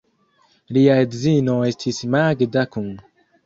Lia edzino estis Magda Kun.